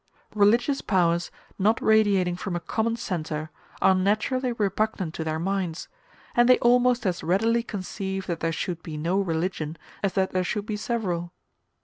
Religious powers not radiating from a common centre are naturally repugnant to their minds; and they almost as readily conceive that there should be no religion, as that there should be several.